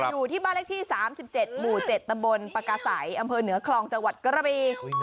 อยู่ที่บ้านเลขที่๓๗หมู่๗ตำบลปากาศัยอำเภอเหนือคลองจังหวัดกระบี